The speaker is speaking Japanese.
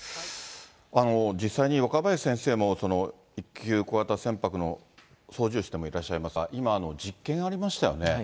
実際に若林先生も１級小型船舶の操縦士でもいらっしゃいますが、今、実験ありましたよね。